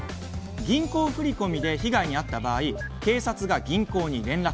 銀行振り込みで被害にあった場合警察が銀行に連絡。